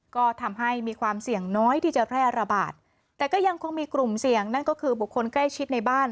ก็ทำให้มีความเสี่ยงน้อยที่จะแพร่ระบาดแต่ก็ยังคงมีกลุ่มเสี่ยงนั่นก็คือบุคคลใกล้ชิดในบ้าน